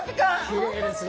きれいですね！